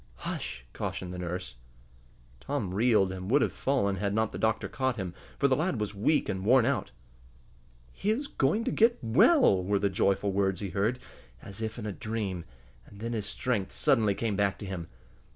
"Hush!" cautioned the nurse. Tom reeled, and would have fallen had not the doctor caught him, for the lad was weak and worn out. "He is going to get well!" were the joyful words he heard, as if in a dream, and then his strength suddenly came back to him.